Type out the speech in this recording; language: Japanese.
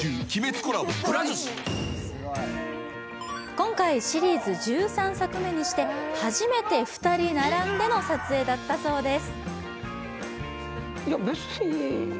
今回シリーズ１３作目にして初めて２人並んでの撮影だったそうです。